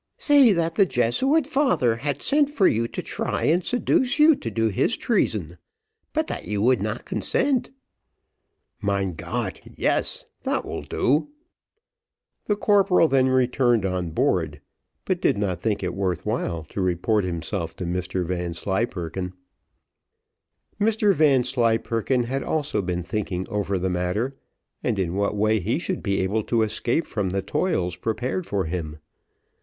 "Say that the Jesuit father had sent for you to try and seduce you to do his treason, but that you would not consent." "Mein Gott, yes that will do." The corporal then returned on board, but did not think it worth while to report himself to Mr Vanslyperken. Mr Vanslyperken had also been thinking over the matter, and in what way he should be able to escape from the toils prepared for him.